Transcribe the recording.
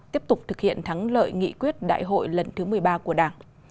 tiếp tục thực hiện thắng lợi nghị quyết đại hội lần thứ một mươi ba của đảng